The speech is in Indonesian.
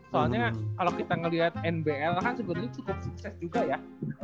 soalnya kalau kita melihat nbl kan sebetulnya cukup sukses juga ya